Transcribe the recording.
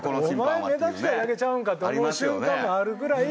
お前目立ちたいだけちゃうんかって思う瞬間もあるぐらい。